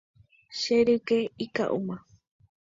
Che ryke ika'úma.